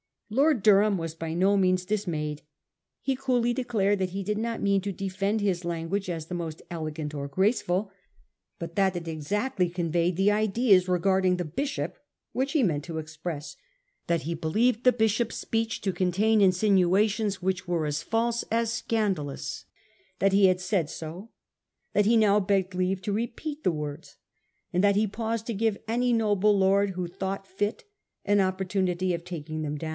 Lord Durham was by no means dis mayed. He coolly declared that he did not mean to defend his language as the most elegant or graceful, but that it exactly conveyed the ideas regarding the bishop which he meant to express ; that he believed the bishop's speech to contain insinuations which were as false as scandalous ; that he had said so ; that he now begged leave to repeat the words, and that he paused to give any noble lord who thought fit, an opportunity of taking them down.